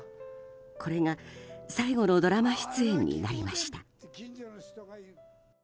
これが最後のドラマ出演になりました。